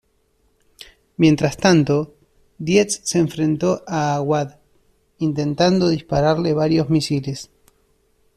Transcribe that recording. Mientras tanto, Dietz se enfrentó a Awad, intentando dispararle varios misiles.